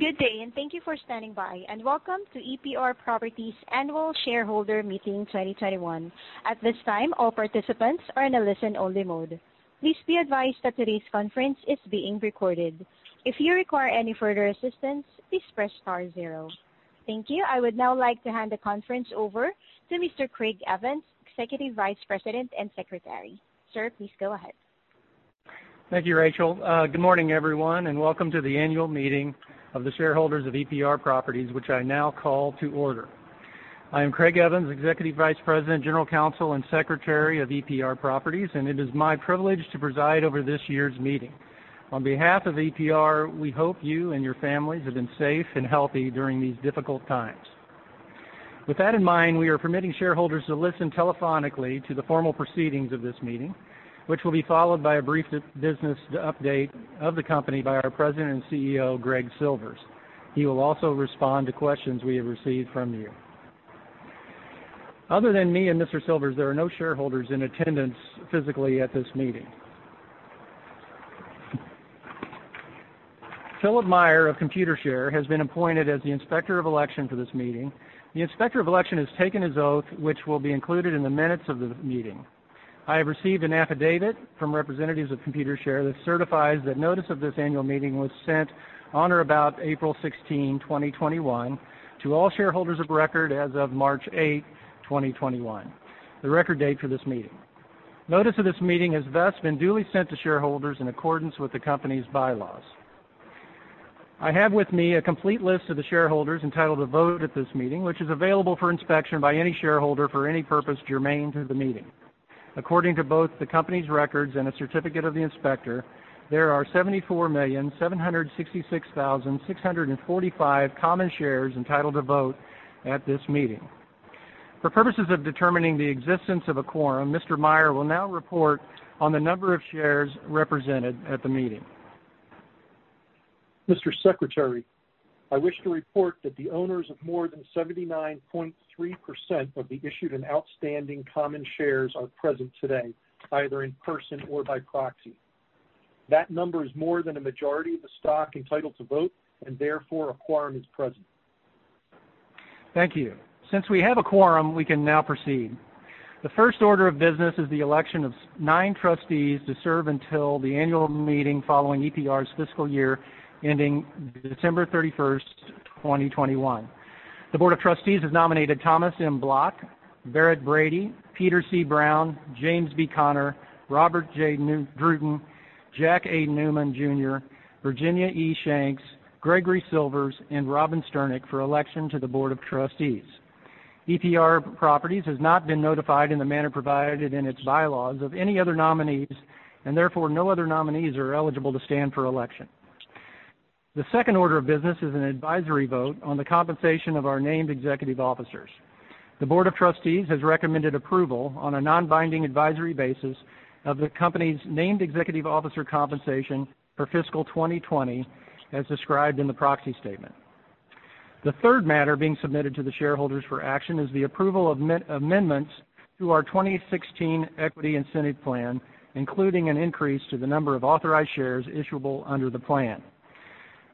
Good day, and thank you for standing by, and welcome to EPR Properties Annual Shareholder Meeting 2021. Thank you. I would now like to hand the conference over to Mr. Craig Evans, Executive Vice President and Secretary. Sir, please go ahead. Thank you, Rachel. Good morning, everyone, and welcome to the annual meeting of the shareholders of EPR Properties, which I now call to order. I'm Craig Evans, Executive Vice President, General Counsel, and Secretary of EPR Properties, and it is my privilege to preside over this year's meeting. On behalf of EPR, we hope you and your families have been safe and healthy during these difficult times. With that in mind, we are permitting shareholders to listen telephonically to the formal proceedings of this meeting, which will be followed by a brief business update of the company by our President and CEO, Greg Silvers. He will also respond to questions we have received from you. Other than me and Mr. Silvers, there are no shareholders in attendance physically at this meeting. Philip Meyer of Computershare has been appointed as the Inspector of Election for this meeting. The Inspector of Election has taken his oath, which will be included in the minutes of the meeting. I have received an affidavit from representatives of Computershare that certifies that notice of this annual meeting was sent on or about April 16, 2021, to all shareholders of record as of March 8, 2021, the record date for this meeting. Notice of this meeting has thus been duly sent to shareholders in accordance with the company's bylaws. I have with me a complete list of the shareholders entitled to vote at this meeting, which is available for inspection by any shareholder for any purpose germane to the meeting. According to both the company's records and a certificate of the inspector, there are 74,766,645 common shares entitled to vote at this meeting. For purposes of determining the existence of a quorum, Mr. Meyer will now report on the number of shares represented at the meeting. Mr. Secretary, I wish to report that the owners of more than 79.3% of the issued and outstanding common shares are present today, either in person or by proxy. That number is more than a majority of the stock entitled to vote, and therefore, a quorum is present. Thank you. Since we have a quorum, we can now proceed. The first order of business is the election of nine trustees to serve until the annual meeting following EPR's fiscal year ending December 31st, 2021. The Board of Trustees has nominated Thomas M. Bloch, Barry Brady, Peter C. Brown, James B. Connor, Robert J. Druten, Jack A. Newman Jr., Virginia E. Shanks, Gregory Silvers, and Robin Sterneck for election to the Board of Trustees. EPR Properties has not been notified in the manner provided in its bylaws of any other nominees, and therefore, no other nominees are eligible to stand for election. The second order of business is an advisory vote on the compensation of our named executive officers. The Board of Trustees has recommended approval on a non-binding advisory basis of the company's named executive officer compensation for fiscal 2020, as described in the proxy statement. The third matter being submitted to the shareholders for action is the approval of amendments to our 2016 Equity Incentive Plan, including an increase to the number of authorized shares issuable under the plan.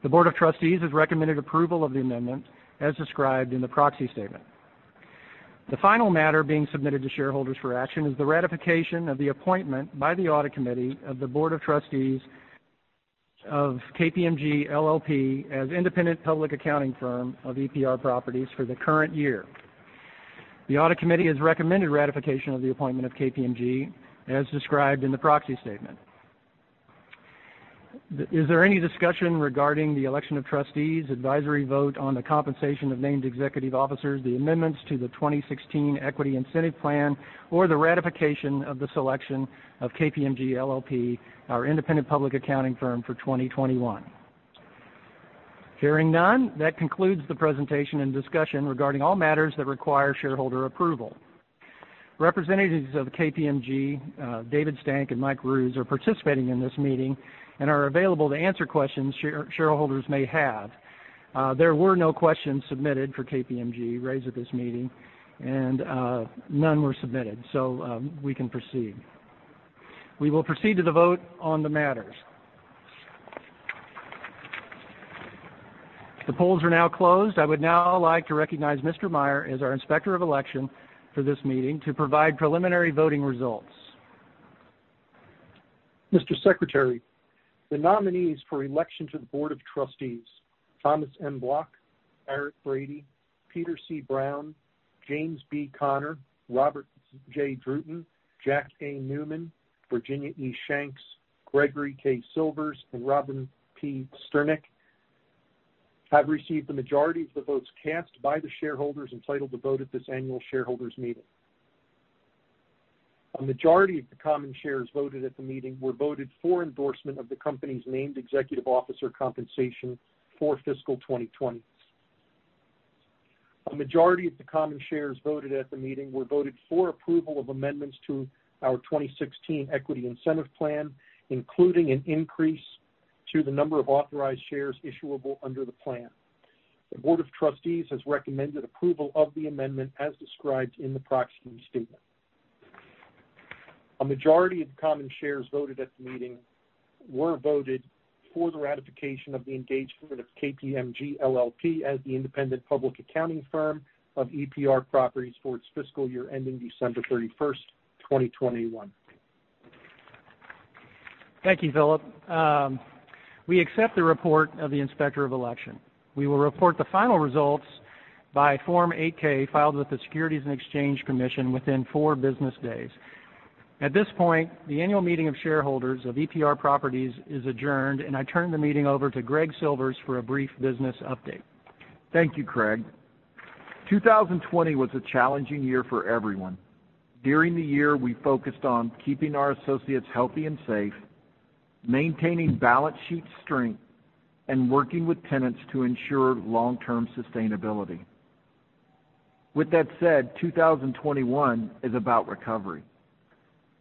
The Board of Trustees has recommended approval of the amendment, as described in the proxy statement. The final matter being submitted to shareholders for action is the ratification of the appointment by the Audit Committee of the Board of Trustees of KPMG LLP as independent public accounting firm of EPR Properties for the current year. The Audit Committee has recommended ratification of the appointment of KPMG, as described in the proxy statement. Is there any discussion regarding the election of trustees, advisory vote on the compensation of named executive officers, the amendments to the 2016 Equity Incentive Plan, or the ratification of the selection of KPMG LLP, our independent public accounting firm for 2021? Hearing none, that concludes the presentation and discussion regarding all matters that require shareholder approval. Representatives of KPMG, David Stank and Mike Roos, are participating in this meeting and are available to answer questions shareholders may have. There were no questions submitted for KPMG raised at this meeting, and none were submitted, so we can proceed. We will proceed to the vote on the matters. The polls are now closed. I would now like to recognize Mr. Meyer as our Inspector of Election for this meeting to provide preliminary voting results. Mr. Secretary, the nominees for election to the Board of Trustees, Thomas M. Bloch, Barry Brady, Peter C. Brown, James B. Connor, Robert J. Druten, Jack A. Newman, Virginia E. Shanks, Gregory K. Silvers, and Robin P. Sterneck, have received the majority of the votes cast by the shareholders entitled to vote at this annual shareholders meeting. A majority of the common shares voted at the meeting were voted for endorsement of the company's named executive officer compensation for fiscal 2020. A majority of the common shares voted at the meeting were voted for approval of amendments to our 2016 Equity Incentive Plan, including an increase to the number of authorized shares issuable under the plan. The Board of Trustees has recommended approval of the amendment as described in the proxy statement. A majority of common shares voted at the meeting were voted for the ratification of the engagement of KPMG LLP as the independent public accounting firm of EPR Properties for its fiscal year ending December 31st, 2021. Thank you, Philip. We accept the report of the Inspector of Election. We will report the final results by Form 8-K filed with the Securities and Exchange Commission within four business days. At this point, the annual meeting of shareholders of EPR Properties is adjourned. I turn the meeting over to Greg Silvers for a brief business update. Thank you, Craig. 2020 was a challenging year for everyone. During the year, we focused on keeping our associates healthy and safe, maintaining balance sheet strength, and working with tenants to ensure long-term sustainability. With that said, 2021 is about recovery.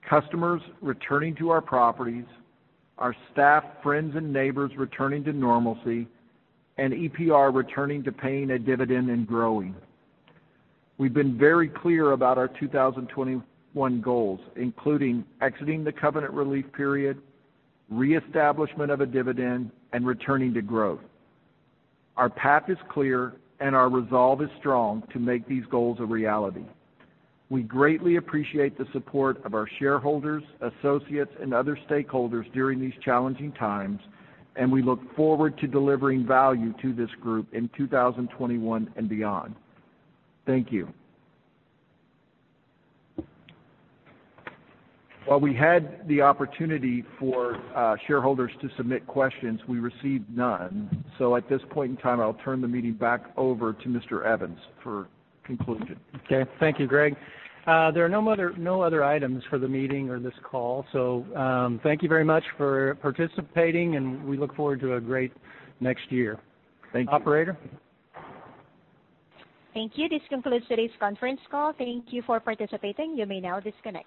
Customers returning to our properties, our staff, friends, and neighbors returning to normalcy, and EPR returning to paying a dividend and growing. We've been very clear about our 2021 goals, including exiting the covenant relief period, reestablishment of a dividend, and returning to growth. Our path is clear, and our resolve is strong to make these goals a reality. We greatly appreciate the support of our shareholders, associates, and other stakeholders during these challenging times, and we look forward to delivering value to this group in 2021 and beyond. Thank you. While we had the opportunity for shareholders to submit questions, we received none. At this point in time, I'll turn the meeting back over to Mr. Evans for conclusion. Thank you, Greg. There are no other items for the meeting or this call, so thank you very much for participating, and we look forward to a great next year. Thank you. Operator? Thank you. This concludes today's conference call. Thank you for participating. You may now disconnect.